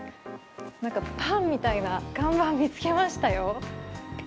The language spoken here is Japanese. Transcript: なんか、パンみたいな看板見つけましたよ。